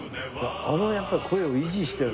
あのやっぱり声を維持してるのはね。